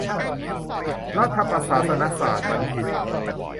รัฐประศาสนศาตรบัณฑิต